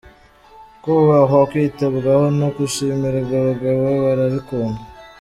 Kubahwa, kwitabwaho no gushimirwa abagabo barabikunda.